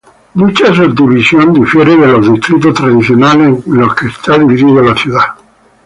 Dicha subdivisión difiere de los distritos tradicionales en los que está dividido la ciudad.